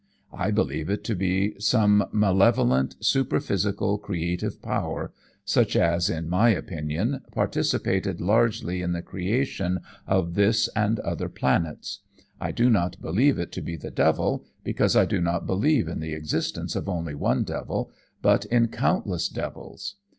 I believe it to be some malevolent, superphysical, creative power, such as, in my opinion, participated largely in the creation of this and other planets. I do not believe it to be the Devil, because I do not believe in the existence of only one devil, but in countless devils.